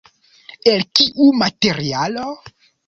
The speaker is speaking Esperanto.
El kiu materialo?